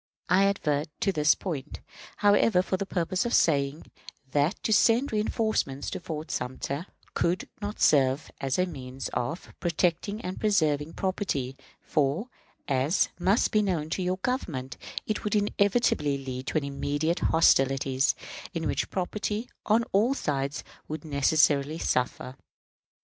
I advert to this point, however, for the purpose of saying that to send reënforcements to Fort Sumter could not serve as a means of protecting and preserving property, for, as must be known to your Government, it would inevitably lead to immediate hostilities, in which property on all sides would necessarily suffer.